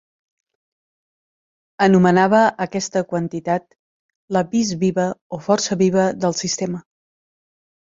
Anomenava aquesta quantitat la "vis viva" o "força viva" del sistema.